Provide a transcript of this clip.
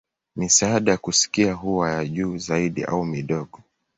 Misaada ya kusikia huwa ya juu zaidi au midogo.